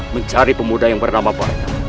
mencari pemuda yang bernama warga